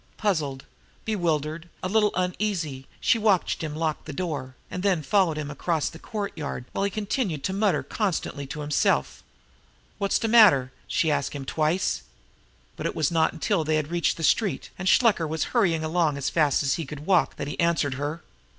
Puzzled, bewildered, a little uneasy, she watched him lock the door, and then followed him across the courtyard, while he continued to mutter constantly to himself. "Wot's de matter?" she asked him twice. But it was not until they had reached the street, and Shluker was hurrying along as fast as he could walk, that he answered her.